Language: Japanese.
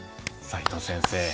齋藤先生。